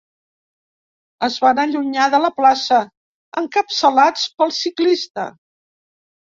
Es van allunyar de la plaça, encapçalats pel ciclista.